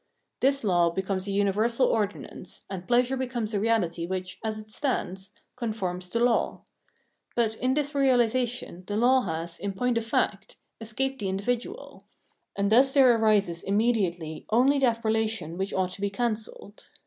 This law becomes a universal ordinance, and pleasure becomes a reality which, as it stands, conforms 360 Phenomenology of Mind to law. But in this realisation, the law has, in point of fact, escaped the individual ; and thus there arises immediately only that relation which ought to be can celled.